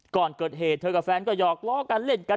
ก่อนเกิดเหตุเธอกับแฟนก็หอกล้อกันเล่นกัน